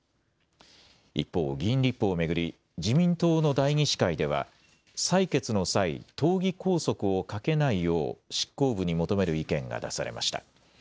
一方、議員立法を巡り自民党の代議士会では採決の際、党議拘束をかけないよう執行部に求める意見が出されました。